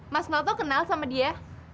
mas noto kenal sama dia